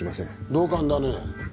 同感だね。